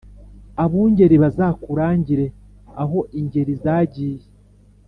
Abungeri bazakurangire aho ingeri zagiye.